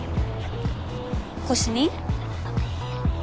腰に。